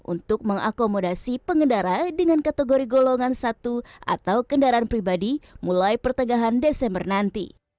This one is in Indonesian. untuk mengakomodasi pengendara dengan kategori golongan satu atau kendaraan pribadi mulai pertengahan desember nanti